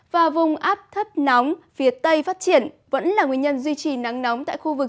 và vùng áp thấp nóng phía tây phát triển vẫn là nguyên nhân duy trì nắng nóng tại khu vực